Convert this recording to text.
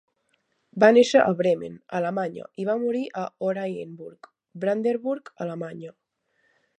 Va néixer a Bremen, Alemanya i va morir a Oranienburg, Brandenburg, Alemanya.